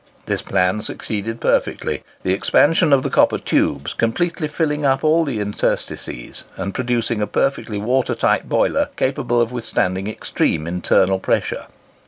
This plan succeeded perfectly, the expansion of the copper tubes completely filling up all interstices, and producing a perfectly watertight boiler, capable of withstanding extreme internal pressure.